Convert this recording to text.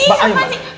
apa sih apa sih